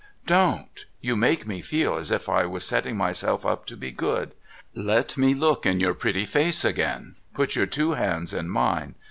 Don't ! You make me feel as if I was setting myself up to be good. Let me look in your pretty face again. Put your two hands in mine.